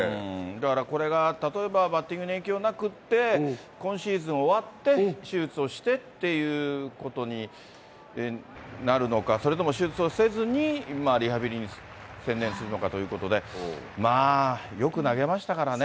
だからこれが例えばバッティングに影響なくて、今シーズン終わって手術をしてっていうことになるのか、それとも手術をせずにリハビリに専念するのかということで、まあ、よく投げましたからね。